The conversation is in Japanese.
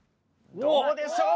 どうでしょう？